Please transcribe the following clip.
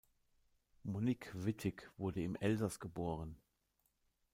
Monique Wittig wurde im Elsass geboren.